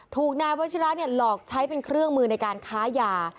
ถูกนายวัชิระหลอกใช้เป็นเครื่องมือในการค้ายา